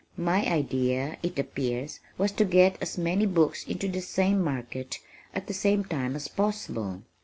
My idea, it appears, was to get as many books into the same market at the same time as possible.